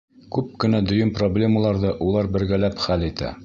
Күп кенә дөйөм проблемаларҙы улар бергәләп хәл итә.